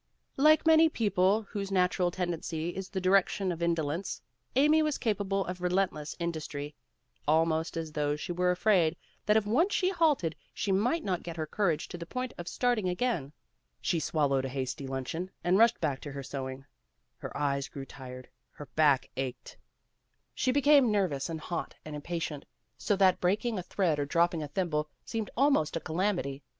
Like many people whose natural tendency is in the direction of indolence, Amy was capable of relentless industry, almost as though she were afraid that if once she halted she might not get her courage to the point of starting again. She swallowed a hasty luncheon and rushed back to her sewing. Her eyes grew tired, her back ached. She became nervous PEGGY RAYMOND'S WAY and hot and impatient, so that breaking a thread or dropping a thimble seemed almost a calamity.